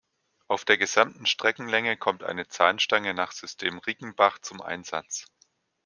Auf der gesamten Streckenlänge kommt eine Zahnstange nach System Riggenbach zum Einsatz.